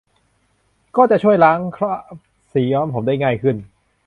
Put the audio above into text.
ก็จะช่วยล้างคราบสีย้อมผมได้ง่ายขึ้น